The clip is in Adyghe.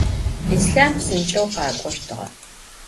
Yislham psınç'eu khak'oştığe.